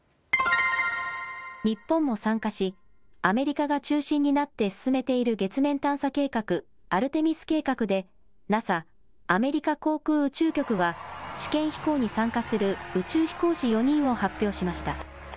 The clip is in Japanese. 日本も参加しアメリカが中心になって進めている月面探査計画、アルテミス計画でＮＡＳＡ・アメリカ航空宇宙局は試験飛行に参加する宇宙飛行士４人を発表しました。